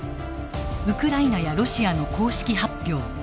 ウクライナやロシアの公式発表